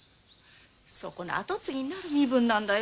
そこの跡継ぎになる身分なんだよ。